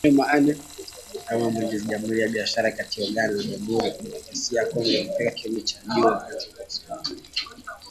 Mnamo mwezi Januari, biashara kati ya Uganda na Jamhuri ya Kidemokrasia ya kongo ilifikia kiwango cha juu, wakati fursa mpya za masoko